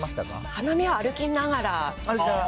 花見は歩きながら。